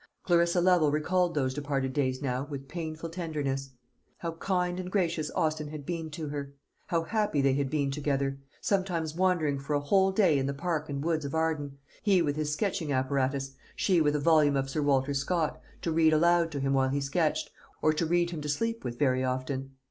Clarissa Lovel recalled those departed days now with painful tenderness. How kind and gracious Austin had been to her! How happy they had been together! sometimes wandering for a whole day in the park and woods of Arden, he with his sketching apparatus, she with a volume of Sir Walter Scott, to read aloud to him while he sketched, or to read him to sleep with very often.